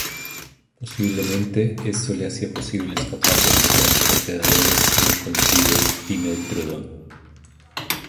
Posiblemente, esto le hacía posible escapar de los grandes depredadores como el conocido "Dimetrodon".